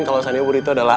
kalau sanya wuri itu adalah